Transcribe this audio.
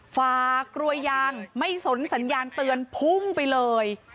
ฝากกลัวยางไม่สนสัญญาณเตือนพุ่งไปเลย